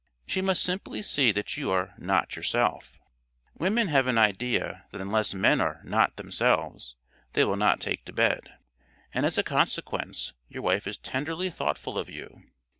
She must simply see that you are "not yourself." Women have an idea that unless men are "not themselves" they will not take to bed, and as a consequence your wife is tenderly thoughtful of you.